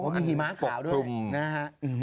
มีหิมะขาวด้วย